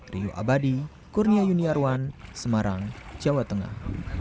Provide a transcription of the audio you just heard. rio abadi kurnia yuniarwan semarang jawa tengah